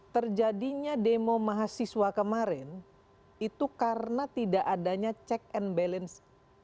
terjadinya demo mahasiswa kemarin itu karena tidak adanya check and balance